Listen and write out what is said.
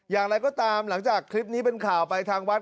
อย่างไรก็ตามหลังจากคลิปนี้เป็นข่าวไปทางวัด